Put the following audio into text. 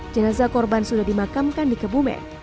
jenazah korban sudah dimakamkan di kebumen